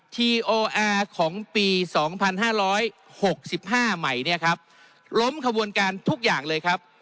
ทีโออาร์ของปีสองพันห้าร้อยหกสิบห้าใหม่เนี่ยครับล้มขบวนการทุกอย่างเลยครับ